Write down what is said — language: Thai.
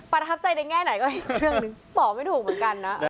ประทับใจในแง่ไหนก็อีกเรื่องหนึ่งตอบไม่ถูกเหมือนกันนะ